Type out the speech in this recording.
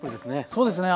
そうですね。